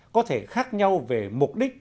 có thể khác nhau về mục đích